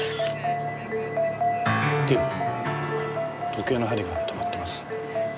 警部時計の針が止まってます。